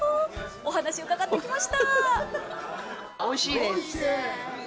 お話を伺ってきました。